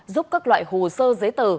giúp các loại hồ sơ giấy tờ